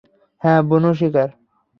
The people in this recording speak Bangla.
হ্যাঁ, বুনো শিকার।